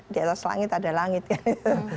di atas langit ada langit gitu